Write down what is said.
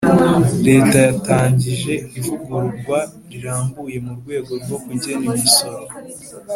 leta yatangije ivugururwa rirambuye mu rwego rwo kugena imisoro